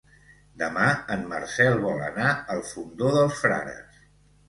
Demà en Marcel vol anar al Fondó dels Frares.